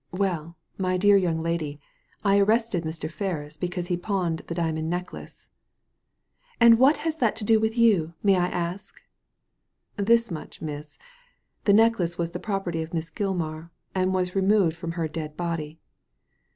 " Well, my dear young lady, I arrested Mr. Ferris because he pawned a diamond necklace !"* And what had that to do with you, may I ask ?'*'* This much, miss. The necklace was the property of Miss Gilmar, and was removed from her dead body."